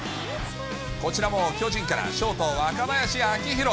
こちらも巨人から、ショート、若林晃弘。